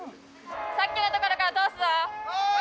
さっきのところから通すぞ。